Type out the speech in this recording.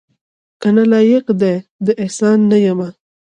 کنه لایق دې د احسان نه یمه